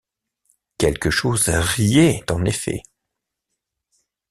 Quelque chose riait en effet.